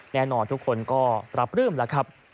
แน่นอนทุกคนก็รับรื่อมละครับ